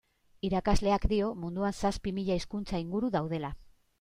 Irakasleak dio munduan zazpi mila hizkuntza inguru daudela.